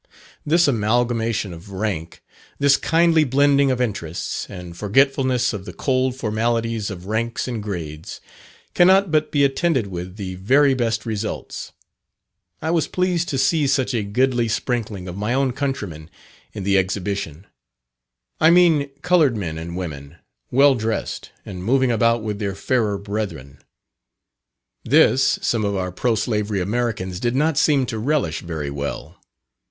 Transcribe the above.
This amalgamation of rank, this kindly blending of interests, and forgetfulness of the cold formalities of ranks and grades, cannot but be attended with the very best results. I was pleased to see such a goodly sprinkling of my own countrymen in the Exhibition I mean coloured men and women well dressed, and moving about with their fairer brethren. This, some of our pro slavery Americans did not seem to relish very well.